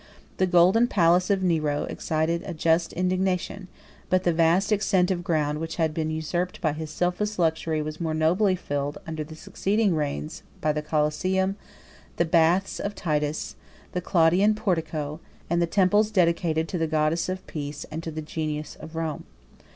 The golden palace of Nero excited a just indignation, but the vast extent of ground which had been usurped by his selfish luxury was more nobly filled under the succeeding reigns by the Coliseum, the baths of Titus, the Claudian portico, and the temples dedicated to the goddess of Peace, and to the genius of Rome.